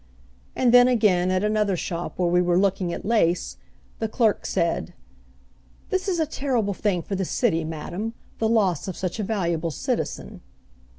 And then, again, at another shop where we were looking at lace, the clerk said, "This is a terrible thing for the city, Madam, the loss of such a valuable citizen."